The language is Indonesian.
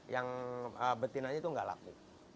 yang betinanya itu nggak laku